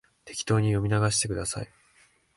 適当に読み流してください